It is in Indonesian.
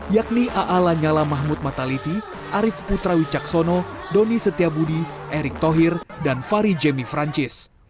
yakni a'ala nyala mahmud mataliti arief putrawi caksono doni setiabudi erik tohir dan fari jemi francis